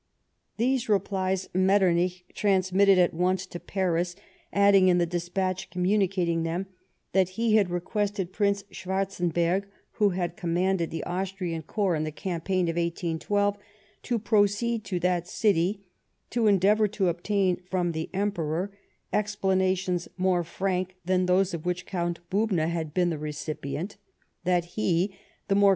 These replies Metternich transmitted at once to Paris, adding, in the despatch communicating them, that he had requested Prince Schwarzenbcrg, who had com manded the Austrian corps in the campaign of 1812, to proceed to that city, to endeavour to obtain from the Emperor explanations more frank than those of which Count Bubna had been the recipient ; that he the more TEE WINTEB OF 1812 13.